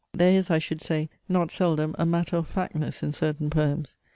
There is, I should say, not seldom a matter of factness in certain poems.